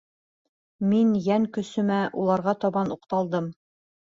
Мин йән көсөмә уларға табан уҡталдым.